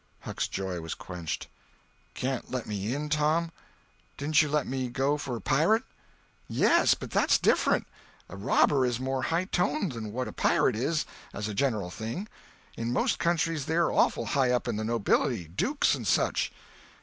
Huck's joy was quenched. "Can't let me in, Tom? Didn't you let me go for a pirate?" "Yes, but that's different. A robber is more high toned than what a pirate is—as a general thing. In most countries they're awful high up in the nobility—dukes and such."